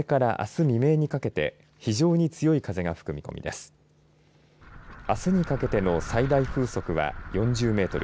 あすにかけての最大風速は４０メートル